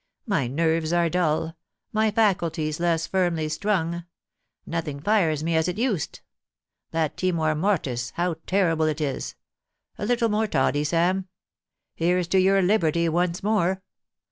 My nerves are dull ; my faculties less firmly strung ; nothing fires me as it used That timor mortis^ how terrible it is ! A little more toddy, Sam. Here's to your liberty once more.